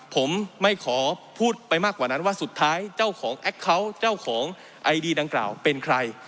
ผมไม่ขอพูดไปมากกว่านั้นว่าสุดท้ายเจ้าของแอคเคาน์เจ้าของไอดีดังกล่าวเป็นใคร